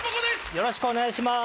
よろしくお願いします。